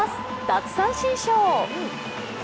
奪三振ショー。